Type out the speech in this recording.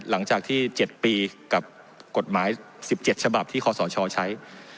หลังจากที่๗ปีกับกฎหมาย๑๗ฉบับที่คศใช้